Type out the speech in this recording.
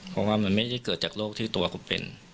เพราะว่ามันไม่ได้เกิดจากโรคที่ตัวคุณเป็น